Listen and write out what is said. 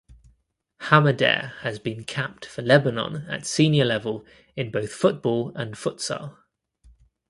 Hamadeh has been capped for Lebanon at senior level in both football and futsal.